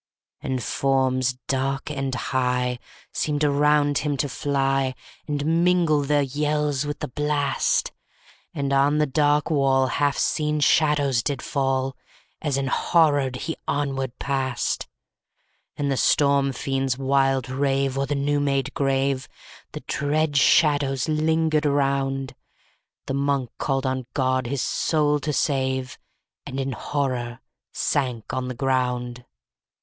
12. And forms, dark and high, _65 Seemed around him to fly, And mingle their yells with the blast: And on the dark wall Half seen shadows did fall, As enhorrored he onward passed. _70 13. And the storm fiends wild rave O'er the new made grave, And dread shadows linger around. The Monk called on God his soul to save, And, in horror, sank on the ground.